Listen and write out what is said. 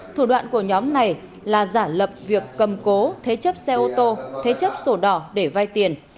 thủ đoạn của nhóm này là giả lập việc cầm cố thế chấp xe ô tô thế chấp sổ đỏ để vai tiền